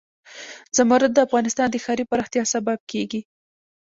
زمرد د افغانستان د ښاري پراختیا سبب کېږي.